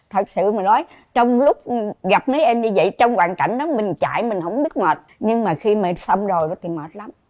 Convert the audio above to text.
thật sự mà nói trong lúc gặp mấy em như vậy trong hoàn cảnh đó mình chạy mình không biết mệt nhưng mà khi mình xong rồi thì mệt lắm